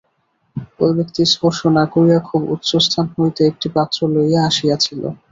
ঐ ব্যক্তি স্পর্শ না করিয়া খুব উচ্চস্থান হইতে একটি পাত্র লইয়া আসিয়াছিল।